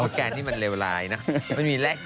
โอกาสนี่มันเลวลายนะมันมีแลกคิวนะ